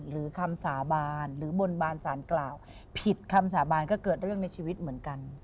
คำสาบานหรือบนบานสารกล่าวผิดคำสาบานก็เกิดเรื่องในชีวิตเหมือนกัน